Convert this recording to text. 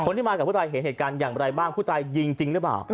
ที่มากับผู้ตายเห็นเหตุการณ์อย่างไรบ้างผู้ตายยิงจริงหรือเปล่า